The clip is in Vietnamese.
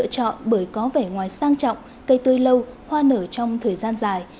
chọn bởi có vẻ ngoài sang trọng cây tươi lâu hoa nở trong thời gian dài